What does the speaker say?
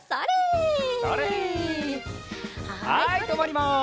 はいとまります。